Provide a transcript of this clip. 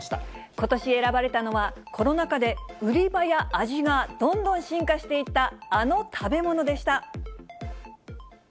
ことし選ばれたのは、コロナ禍で売り場や味がどんどん進化していった、あの食べ物でした。